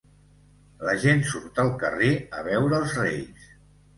La gent surt al carrer a veure els Reis.